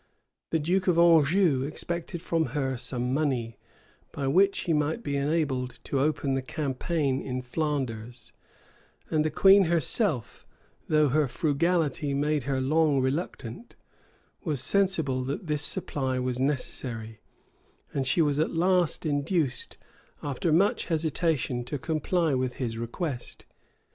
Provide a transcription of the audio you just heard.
The duke of Anjou expected from her some money, by which he might be enabled to open the campaign in Flanders; and the queen herself, though her frugality made her long reluctant, was sensible that this supply was necessary, and she was at last induced, after much hesitation, to comply with his request.